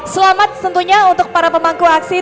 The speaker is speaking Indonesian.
selamat tentunya untuk para pemangku aksi